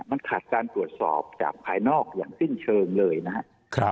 มันขาดการตรวจสอบจากภายนอกอย่างสิ้นเชิงเลยนะครับ